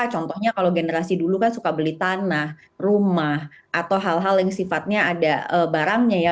contohnya kalau generasi dulu kan suka beli tanah rumah atau hal hal yang sifatnya ada barangnya ya